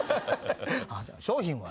商品は？